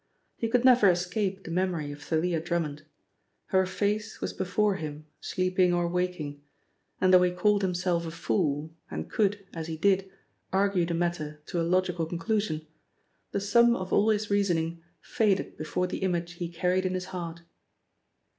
He could never escape the memory of Thalia Drummond; her face was before him, sleeping or waking, and though he called himself a fool, and could, as he did, argue the matter to a logical conclusion, the sum of all his reasoning faded before the image he carried in his heart.